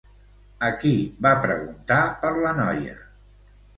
A qui va preguntar per la noia?